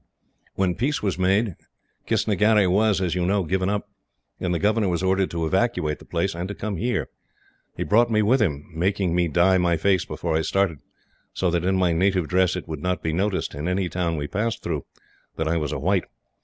"When peace was made, Kistnagherry was, as you know, given up, and the governor was ordered to evacuate the place, and to come here. He brought me with him, making me dye my face before I started, so that in my native dress it would not be noticed, in any town we passed through, that I was a white.